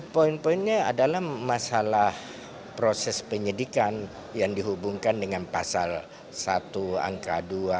poin poinnya adalah masalah proses penyidikan yang dihubungkan dengan pasal satu angka dua